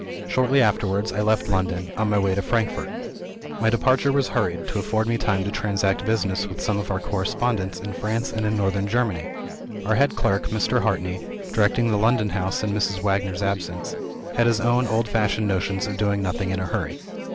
Shortly afterwards I left London, on my way to Frankfort. My departure was hurried, to afford me time to transact business with some of our correspondents in France and in Northern Germany. Our head clerk, Mr. Hartrey (directing the London house in Mrs. Wagner's absence), had his own old fashioned notions of doing nothing in a hurry.